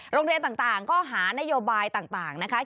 โรงเรียนต่างก็หานโยบายต่างนะคะ